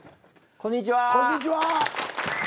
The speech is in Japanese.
こんにちは。